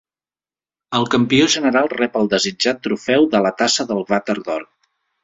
El campió general rep el desitjat Trofeu de la Tassa del Vàter d'Or.